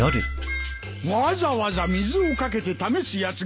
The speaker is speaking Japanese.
わざわざ水を掛けて試すやつがあるか！